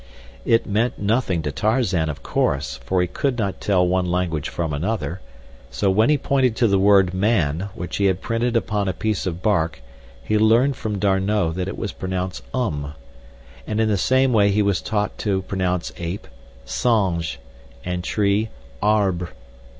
It meant nothing to Tarzan, of course, for he could not tell one language from another, so when he pointed to the word man which he had printed upon a piece of bark he learned from D'Arnot that it was pronounced homme, and in the same way he was taught to pronounce ape, singe and tree, arbre.